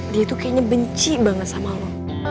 dia tuh kayaknya benci banget sama allah